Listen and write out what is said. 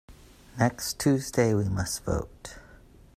Next Tuesday we must vote.